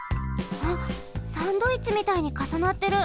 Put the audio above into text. あっサンドイッチみたいにかさなってる。